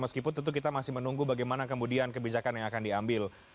meskipun tentu kita masih menunggu bagaimana kemudian kebijakan yang akan diambil